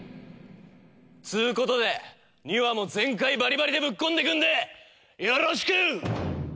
つうことで２話も全開バリバリでぶっ込んでいくんでよろしく！